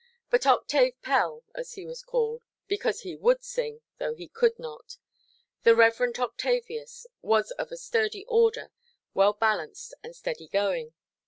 But "Octave" Pell—as he was called, because he would sing, though he could not—the Reverend Octavius was of a sturdy order, well–balanced and steady–going.